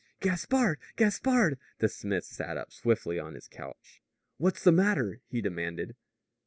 "Gaspard! Gaspard!" The smith sat up swiftly on his couch. "What's the matter?" he demanded.